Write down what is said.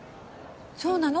そうなの？